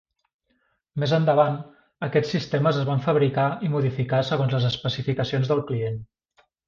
Més endavant, aquests sistemes es van fabricar i modificar segons les especificacions del client.